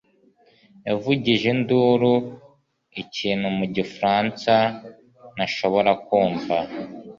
yavugije induru ikintu mu gifaransa ntashobora kumva.